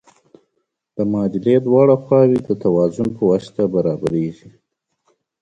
د معادلې دواړه خواوې د توازن په واسطه برابریږي.